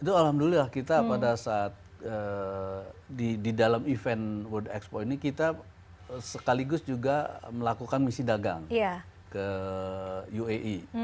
itu alhamdulillah kita pada saat di dalam event world expo ini kita sekaligus juga melakukan misi dagang ke uae